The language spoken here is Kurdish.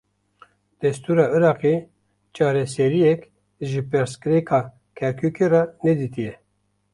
Destûra Iraqê, çareseriyek ji pirsgirêka Kerkûkê re nedîtiye